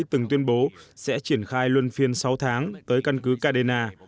từng tuyên bố sẽ triển khai luân phiên sáu tháng tới căn cứ kadena